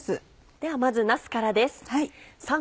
ではまずなすからです。